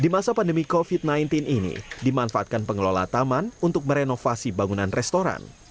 di masa pandemi covid sembilan belas ini dimanfaatkan pengelola taman untuk merenovasi bangunan restoran